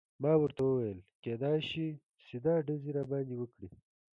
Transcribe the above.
ما ورته وویل: کیدای شي سیده ډزې راباندې وکړي.